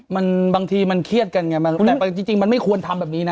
มันบางทีมันเครียดกันไงแต่จริงมันไม่ควรทำแบบนี้นะ